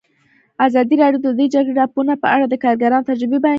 ازادي راډیو د د جګړې راپورونه په اړه د کارګرانو تجربې بیان کړي.